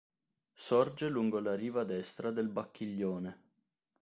Sorge lungo la riva destra del Bacchiglione.